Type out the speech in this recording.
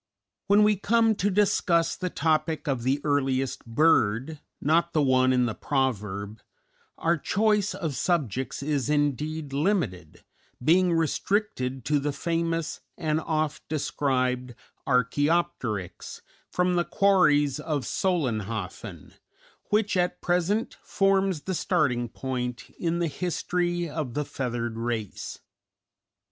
_" When we come to discuss the topic of the earliest bird not the one in the proverb our choice of subjects is indeed limited, being restricted to the famous and oft described Archæopteryx from the quarries of Solenhofen, which at present forms the starting point in the history of the feathered race.